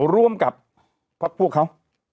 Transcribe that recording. ร่วมกับพวกเขา